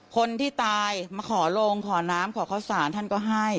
คนที่ตายมาขอลงขอน้ำขอเข้าสารท่านก็ให้